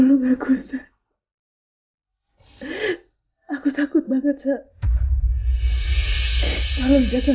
lepas ga ada gua ioan lepas ga ada gua rosa tau